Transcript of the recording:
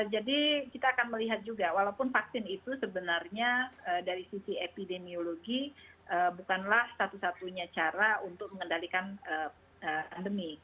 jadi kita akan melihat juga walaupun vaksin itu sebenarnya dari sisi epidemiologi bukanlah satu satunya cara untuk mengendalikan pandemi